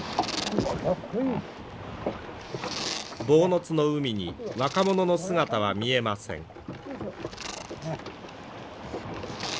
坊津の海に若者の姿は見えません。